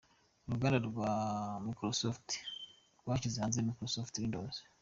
Uruganda rwa Microsoft rwashyize hanze Microsoft Windows .